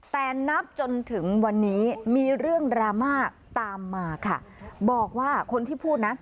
แต่นับจนถึงวันนี้มีเรื่องดราม่าตามมาค่ะบอกว่าคนที่พูดนะ